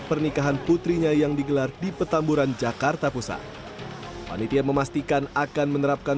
pernikahan putrinya yang digelar di petamburan jakarta pusat panitia memastikan akan menerapkan